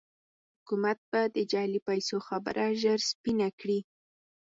حکومت به د جعلي پيسو خبره ژر سپينه کړي.